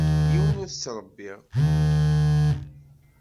Yiwen ur t-ttṛebbiɣ.